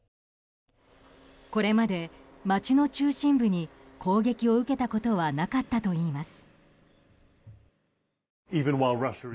これまで街の中心部に攻撃を受けたことはなかったといいます。